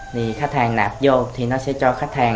thì khách hàng nạp vô thì nó sẽ cho khách hàng